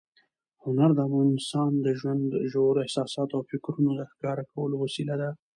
هنر د انسان د ژوند ژورو احساساتو او فکرونو د ښکاره کولو وسیله ده.